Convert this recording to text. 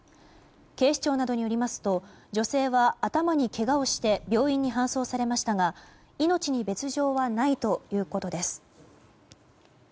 警視庁などによりますと女性は頭にけがをして病院に搬送されましたが命に別条はないということです。